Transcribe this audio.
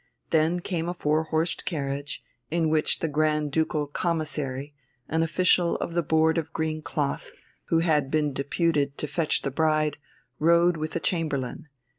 Then came a four horsed carriage, in which the Grand Ducal Commissary, an official of the Board of Green Cloth, who had been deputed to fetch the bride, rode with a chamberlain.